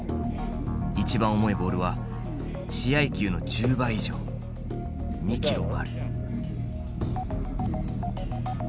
一番重いボールは試合球の１０倍以上２キロもある。